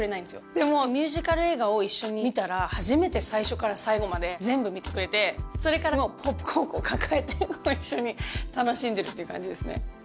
でもミュージカル映画を一緒に見たら初めて最初から最後まで全部見てくれてそれからもうポップコーンをこう抱えて一緒に楽しんでるっていう感じですね